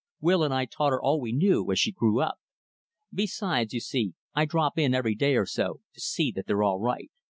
Will and I taught her all we knew, as she grew up. Besides, you see, I drop in every day or so, to see that they're all right."